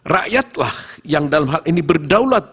rakyatlah yang dalam hal ini berdaulat